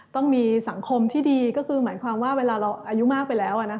ต้องมีสังคมที่ดีก็คือหมายความว่าเวลาเราอายุมากไปแล้ว